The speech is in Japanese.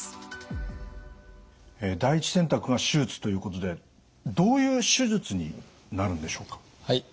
第１選択が手術ということでどういう手術になるんでしょうか？